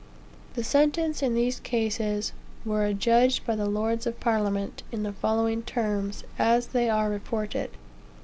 The sentences in these cases were adjudged by the "Lords of Parliament," in the following terms, as they are reported.